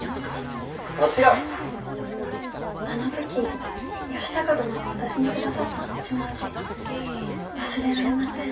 あの時義高殿が私に下さったお餅の味忘れられません。